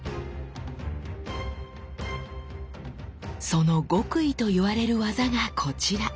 その極意と言われる技がこちら。